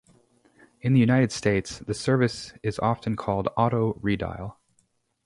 In the United States the service is often called Auto Redial.